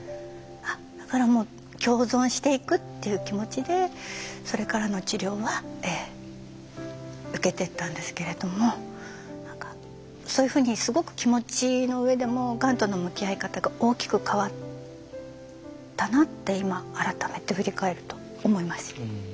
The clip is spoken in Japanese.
だからもう共存していくっていう気持ちでそれからの治療は受けてったんですけれどもそういうふうにすごく気持ちの上でもがんとの向き合い方が大きく変わったなって今改めて振り返ると思います。